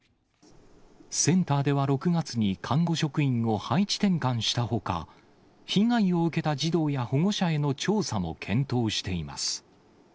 センターでは６月に看護職員を配置転換したほか、被害を受けた児童や保護者への調査も検討しています。